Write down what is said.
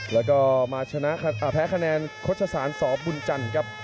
แล้วก็มาแพ้คะแนนคดชสานสอบบุญจันครับ